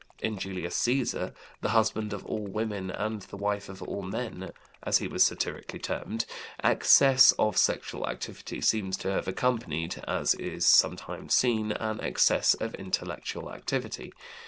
In Julius Cæsar "the husband of all women and the wife of all men" as he was satirically termed excess of sexual activity seems to have accompanied, as is sometimes seen, an excess of intellectual activity.